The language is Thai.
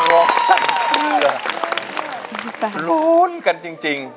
พยายามรู้จักฉ่าวจริง